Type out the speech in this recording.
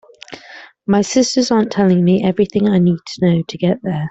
My sisters aren’t telling me everything I need to know to get there.